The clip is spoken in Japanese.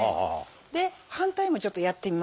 で反対もちょっとやってみましょうか。